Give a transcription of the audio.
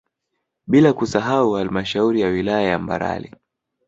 Bila kusahau halmashauri ya wilaya ya Mbarali